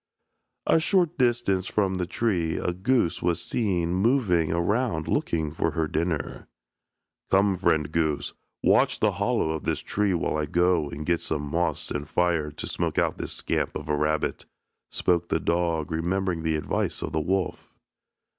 A short distance from the tree a goose was seen moving around looking for her dinner. "Come, friend goose, watch the hollow of this tree while I go and get some moss and fire to smoke out this scamp of a rabbit," spoke the dog, remembering the advice of the wolf.